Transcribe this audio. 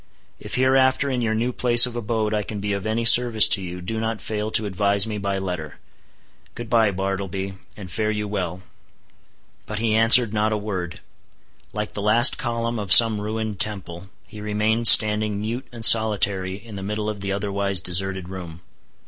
If hereafter in your new place of abode I can be of any service to you, do not fail to advise me by letter. Good bye, Bartleby, and fare you well." But he answered not a word; like the last column of some ruined temple, he remained standing mute and solitary in the middle of the otherwise deserted room.